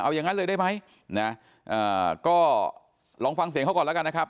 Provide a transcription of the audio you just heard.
อย่างนั้นเลยได้ไหมนะก็ลองฟังเสียงเขาก่อนแล้วกันนะครับ